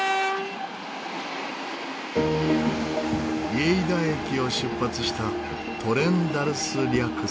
リェイダ駅を出発したトレン・ダルス・リャクス。